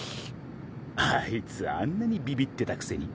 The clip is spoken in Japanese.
あいつあんなにびびってたくせに。